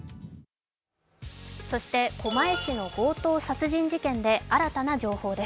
そして狛江市の強盗傷害事件で新たな情報です。